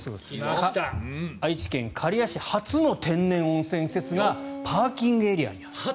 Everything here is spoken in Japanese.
愛知県刈谷市初の天然温泉施設がパーキングエリアにある。